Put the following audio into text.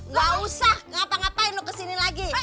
gak usah ngapa ngapain lo kesini lagi